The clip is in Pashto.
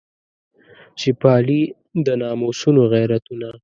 چې پالي د ناموسونو غیرتونه.